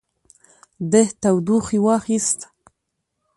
ده ټوخي واخيست.